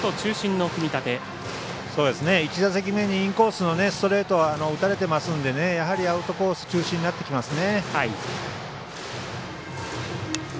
第１打席にインコースのストレート打たれていますのでアウトコース中心になってきますね。